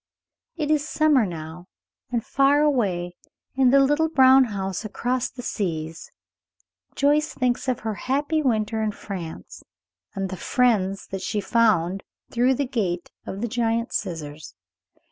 It is summer now, and far away in the little brown house across the seas Joyce thinks of her happy winter in France and the friends that she found through the gate of the giant scissors.